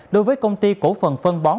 đối với công ty cổ phần phân bón